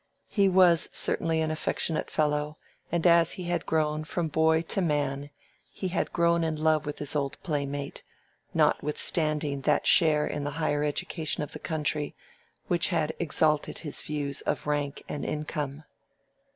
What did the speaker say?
He was certainly an affectionate fellow, and as he had grown from boy to man, he had grown in love with his old playmate, notwithstanding that share in the higher education of the country which had exalted his views of rank and income.